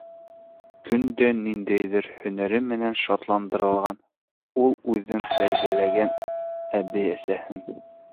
Көн дә ниндәйҙер һөнәре менән шатландырған ул үҙен тәрбиәләгән әбей-әсәһен.